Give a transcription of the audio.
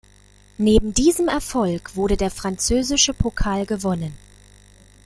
Neben diesem Erfolg wurde der französische Pokal gewonnen.